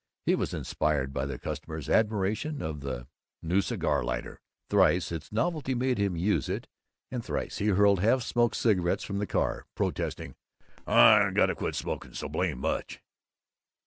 He was inspired by the customer's admiration of the new cigar lighter. Thrice its novelty made him use it, and thrice he hurled half smoked cigarettes from the car, protesting, "I got to quit smoking so blame much!"